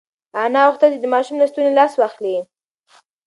انا غوښتل چې د ماشوم له ستوني لاس واخلي.